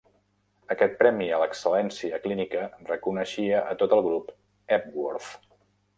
Aquest premi a l'excel·lència clínica reconeixia tot el grup Epworth.